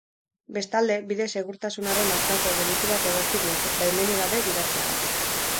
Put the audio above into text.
Bestalde, bide segurtasunaren aurkako delitu bat egotzi diote, baimenik gabe gidatzeagatik.